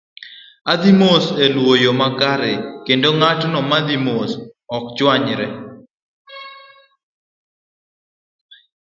Dhi mos e luwo yo makare kendo ng'atno ma dhi mos ok chwamyre.